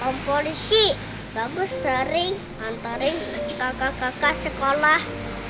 om polisi bagus sering antarin kakak kakak sekolah